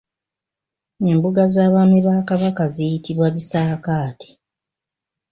Embuga z’abaami ba Kabaka ziyitibwa bisaakaate.